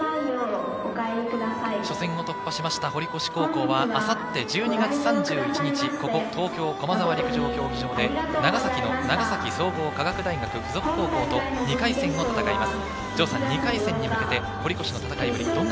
初戦を突破しました、堀越高校は明後日１２月３１日、ここ東京・駒沢陸上競技場で長崎の長崎総合科学大学附属と２回戦を戦います。